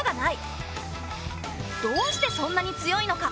どうしてそんなに強いのか。